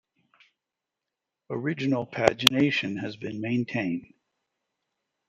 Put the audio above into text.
Original pagination has been maintained.